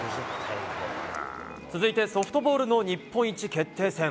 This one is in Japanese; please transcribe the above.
続いてソフトボールの日本一決定戦。